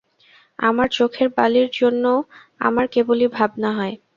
আমার চোখের বালির জন্যে আমার কেবলই ভাবনা হয়।